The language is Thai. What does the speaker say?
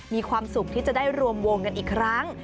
มีความสุขที่จะได้รวมวงกันอีกครั้ง